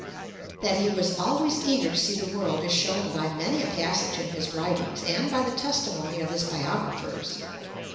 That he was always eager to see the world is shown by many a passage in his writings and by the testimony of his biographers.